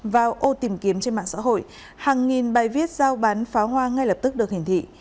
vào ô tìm kiếm trên mạng xã hội hàng nghìn bài viết giao bán pháo hoa ngay lập tức được hình thị